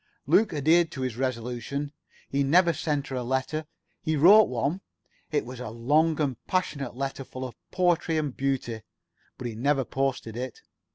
Luke adhered to his resolution. He never sent her a letter. He wrote one. It was a long and passionate letter, full of poetry and beauty. But he never posted it.